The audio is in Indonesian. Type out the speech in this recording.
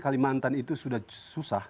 kalimantan itu sudah susah